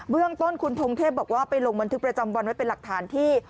เรื่องต้นคุณพงเทพบอกว่าไปลงบันทึกประจำวันไว้เป็นหลักฐานที่